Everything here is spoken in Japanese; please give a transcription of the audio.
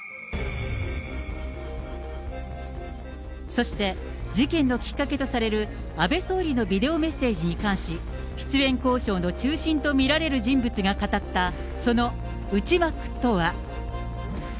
そして事件のきっかけとされる安倍総理のビデオメッセージに関し、出演交渉の中心と見られる人物が語った、その内幕とは。